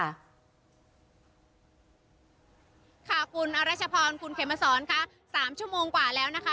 คุณอรัชพรคุณเขมสรสามชั่วโมงกว่าแล้วนะคะ